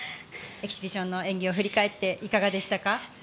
エキシビションの演技を振り返って、いかがでしたか？